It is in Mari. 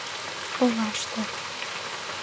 — Олаште.